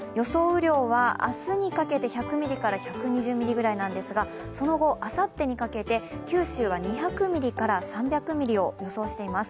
雨量は明日にかけて１００ミリから１２０ミリぐらいなんですがその後、あさってにかけて九州は２００ミリから３００ミリを予想しています。